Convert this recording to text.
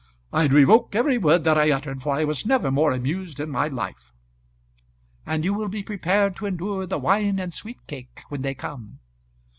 "I revoke every word that I uttered, for I was never more amused in my life." "And you will be prepared to endure the wine and sweet cake when they come."